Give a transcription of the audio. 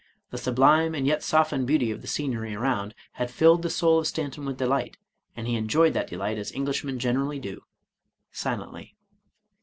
The sublime and yet softened beauty of the scenery around, had filled the soul of Stanton with delight, and he enjoyed that delight as Englishmen generally do, silently.